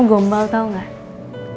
oh gombal tau gak